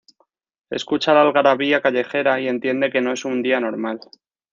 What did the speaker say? escucha la algarabía callejera y entiende que no es un día normal